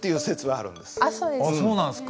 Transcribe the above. あっそうなんすか。